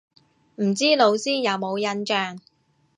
唔知老師有冇印象